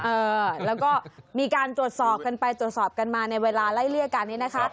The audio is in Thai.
เออแล้วก็มีการตรวจสอบกันไปตรวจสอบกันมาในเวลาไล่เลี่ยกันนี้นะคะ